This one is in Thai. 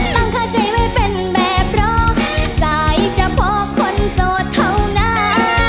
ตั้งค่าใจไว้เป็นแบบรอสายเฉพาะคนโสดเท่านั้น